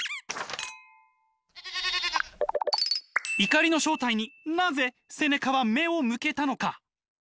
怒りの正体になぜセネカは目を向けたのか？